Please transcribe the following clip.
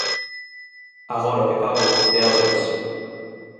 Agora o que fago é ao revés.